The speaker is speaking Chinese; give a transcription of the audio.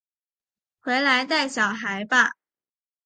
回来带小孩吧